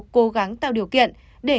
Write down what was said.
cố gắng tạo điều kiện để